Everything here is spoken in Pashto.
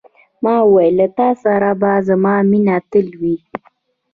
ما وویل، له تا سره به زما مینه تل وي.